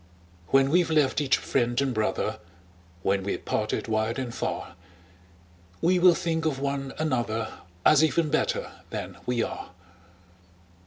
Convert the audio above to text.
When we've left each friend and brother, When we're parted wide and far, We will think of one another, As even better than we are.